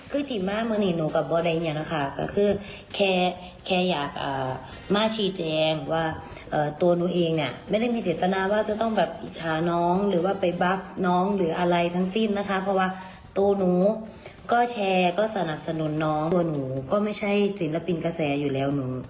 เราก็ไม่จำเป็นต้องมาหากษะมาตกเหยียมอยู่แล้ว